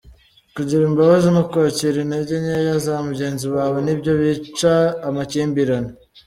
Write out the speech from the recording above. Kugira imbabazi no kwakira intege nkeya za mugenzi wawe ni byo bica amakimbirane.